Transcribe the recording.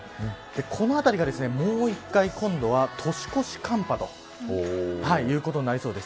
このあたりが、もう１回今度は、年越し寒波ということになりそうです。